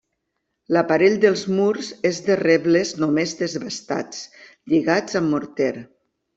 L'aparell dels murs és de rebles només desbastats, lligats amb morter.